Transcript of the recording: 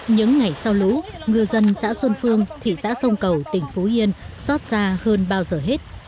những ngày sau lũ ngư dân xã xuân phương thị xã sông cầu tỉnh phú yên xót xa hơn bao giờ hết